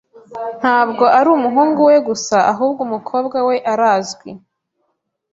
Ntabwo ari umuhungu we gusa, ahubwo umukobwa we arazwi.